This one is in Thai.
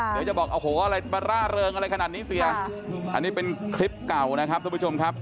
เดี๋ยวจะบอกโอ้โหอะไรมาร่าเริงอะไรขนาดนี้เสียอันนี้เป็นคลิปเก่านะครับทุกผู้ชมครับ